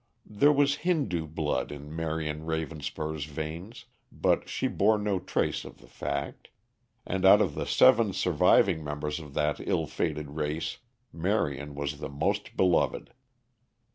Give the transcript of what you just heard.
There was Hindoo blood in Marion Ravenspur's veins, but she bore no trace of the fact. And, out of the seven surviving members of that ill fated race, Marion was the most beloved.